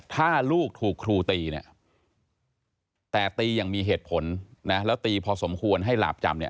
ถ้าลูกถูกครูตีเนี่ยแต่ตีอย่างมีเหตุผลนะแล้วตีพอสมควรให้หลาบจำเนี่ย